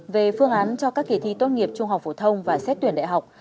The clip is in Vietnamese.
về phương án cho các kỳ thi tốt nghiệp trung học phổ thông và xét tuyển đại học